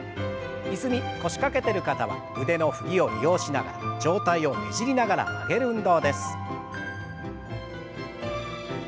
椅子に腰掛けてる方は腕の振りを利用しながら上体をねじりながら曲げる運動です。